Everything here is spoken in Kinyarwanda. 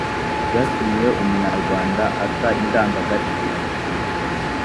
byatumye umunyarwanda ata indangagaciro